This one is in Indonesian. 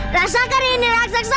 rasakan ini raksasa